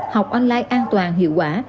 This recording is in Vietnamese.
học online an toàn hiệu quả